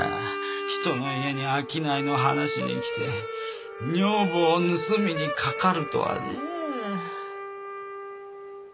人の家に商いの話に来て女房を盗みにかかるとはねえ。